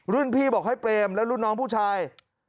พี่บอกให้เปรมและรุ่นน้องผู้ชาย